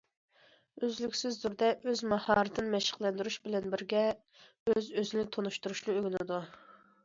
ئۆزلۈكسىز تۈردە ئۆز ماھارىتىنى مەشىقلەندۈرۈش بىلەن بىرگە، ئۆز- ئۆزىنى تونۇشتۇرۇشنى ئۆگىنىدۇ.